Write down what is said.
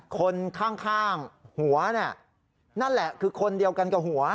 คนข้างหัวเนี่ยนั่นแหละคือคนเดียวกันกับหัว